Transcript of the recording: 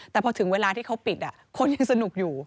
แต่พอถึงเวลาที่เขาปิดคนยังสนุกอยู่